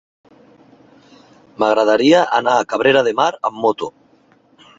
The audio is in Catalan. M'agradaria anar a Cabrera de Mar amb moto.